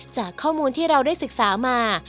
จากข้อมูลที่เราได้ศึกษามา